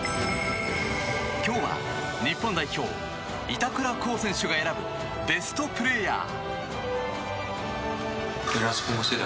今日は日本代表、板倉滉選手が選ぶ、ベストプレーヤー。